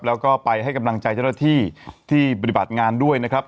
แล้วก็ไปให้กำลังใจเจ้าหน้าที่ที่ปฏิบัติงานด้วยนะครับ